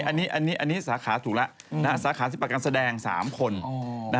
อันนี้สาขาถูกแล้วสาขาศิปะการแสดง๓คน